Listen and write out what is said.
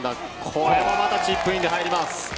これがまたチップインで入ります。